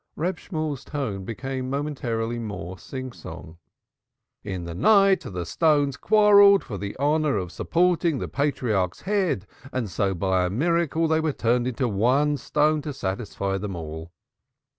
Reb Shemuel's tone became momently more sing song: "In the night the stones quarrelled for the honor of supporting the Patriarch's head, and so by a miracle they were turned into one stone to satisfy them all.